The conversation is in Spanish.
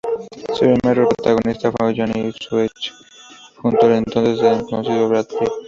Su primer rol protagonista fue en "Johnny Suede" junto al entonces desconocido Brad Pitt.